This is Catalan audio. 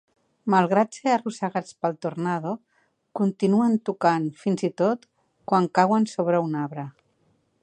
Malgrat ser arrossegats pel tornado, continuen tocant, fins i tot quan cauen sobre un arbre.